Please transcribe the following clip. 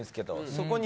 そこに。